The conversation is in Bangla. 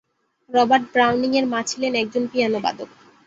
রবার্ট ব্রাউনিং এর মা ছিলেন একজন পিয়ানোবাদক।